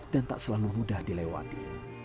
dan tak selalu mudah dilewati